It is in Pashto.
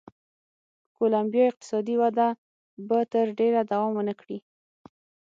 کولمبیا اقتصادي وده به تر ډېره دوام و نه کړي.